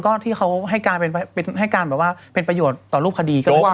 ก็ที่เขาให้การให้การแบบว่าเป็นประโยชน์ต่อรูปคดีก็เลยว่า